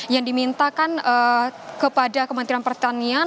yang dimintakan kepada kementerian pertanian